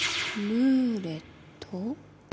ルーレット。